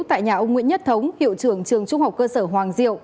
tại nhà ông nguyễn nhất thống hiệu trưởng trường trung học cơ sở hoàng diệu